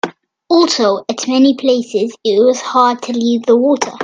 Also, at many places it was hard to leave the water.